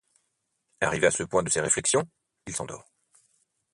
Arrivé à ce point de ses réflexions, il s’endort.